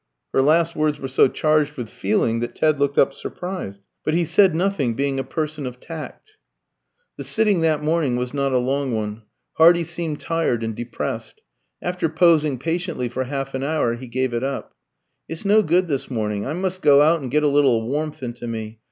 Her last words were so charged with feeling that Ted looked up surprised. But he said nothing, being a person of tact. The sitting that morning was not a long one. Hardy seemed tired and depressed. After posing patiently for half an hour, he gave it up. "It's no good this morning. I must go out and get a little warmth into me.